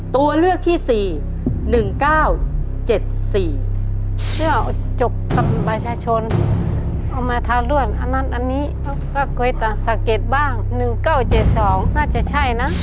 ตัวเลือกที่๔